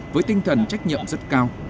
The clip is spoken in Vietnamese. với tinh thần trách nhiệm rất cao